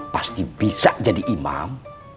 pasti bisa jadi imam